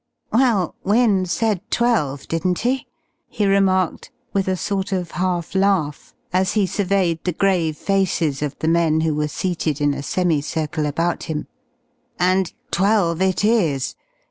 "Well, Wynne said twelve, didn't he?" he remarked, with a sort of half laugh as he surveyed the grave faces of the men who were seated in a semi circle about him, "and twelve it is.